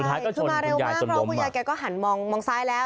สุดท้ายก็จนคุณยายจนล้มมาคุณยายแกก็หันมองมองซ้ายแล้ว